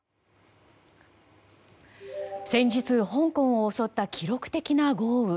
先日香港を襲った記録的な豪雨。